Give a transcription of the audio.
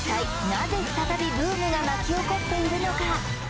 なぜ再びブームが巻き起こっているのか